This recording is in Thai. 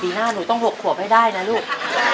หน้าหนูต้อง๖ขวบให้ได้นะลูก